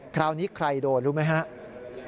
คราวนี้ใครโดนรู้ไหมครับ